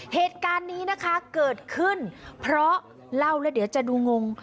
เหตุการณ์นี้นะคะเกิดขึ้นเพราะเล่าแล้วเดี๋ยวจะดูงง